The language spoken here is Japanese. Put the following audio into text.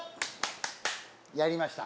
やりました。